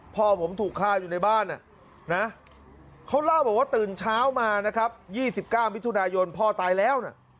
พ่อผมถูกฆ่าอยู่ในบ้านนะเขาเล่าบอกว่าตื่นเช้ามานะครับ๒๙มิถุนายนพ่อตายแล้วนะ